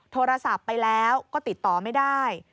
โทรศัพท์ไปแล้วก็ติดต่อไม่ได้